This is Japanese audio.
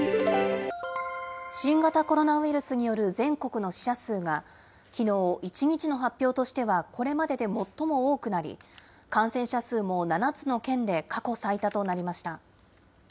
新型コロナウイルスによる全国の死者数が、きのう、１日の発表としてはこれまでで最も多くなり、感染者数も７つの県で過去最多となりました。